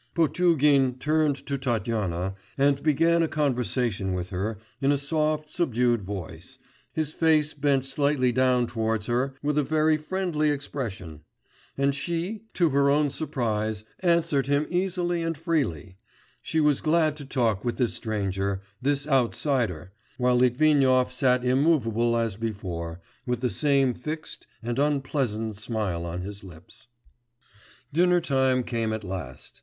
Potugin turned to Tatyana, and began a conversation with her in a soft, subdued voice, his face bent slightly down towards her with a very friendly expression; and she, to her own surprise, answered him easily and freely; she was glad to talk with this stranger, this outsider, while Litvinov sat immovable as before, with the same fixed and unpleasant smile on his lips. Dinner time came at last.